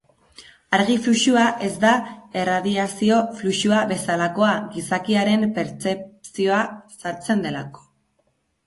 Argi-fluxua ez da erradiazio fluxua bezalakoa, gizakiaren pertzepzioa sartzen delako.